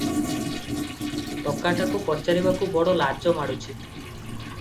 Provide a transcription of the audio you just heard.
ଟୋକାଟାକୁ ପଚାରିବାକୁ ବଡ଼ ଲାଜ ମାଡ଼ୁଛି ।